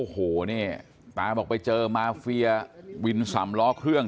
โอ้โหนี่ตาบอกไปเจอมาเฟียวินสำล้อเครื่อง